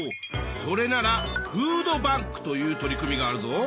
それならフードバンクという取り組みがあるぞ。